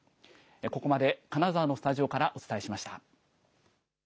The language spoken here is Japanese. ここまで金沢のスタジオからお伝えしました。